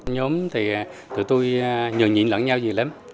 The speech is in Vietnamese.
nhóm thì tụi tôi nhường nhịn lẫn nhau nhiều lắm